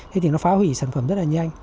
thế thì nó phá hủy sản phẩm rất là nhanh